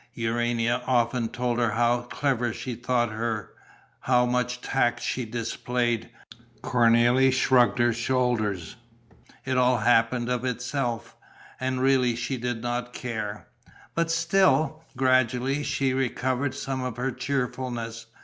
Urania often told her how clever she thought her, how much tact she displayed. Cornélie shrugged her shoulders: it all happened of itself; and really she did not care. But still, gradually, she recovered some of her cheerfulness.